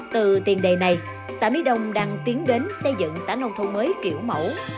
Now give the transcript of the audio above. từ tiền đề này xã mỹ đông đang tiến đến xây dựng xã nông thôn mới kiểu mẫu